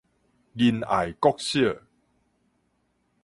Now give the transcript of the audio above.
仁愛國小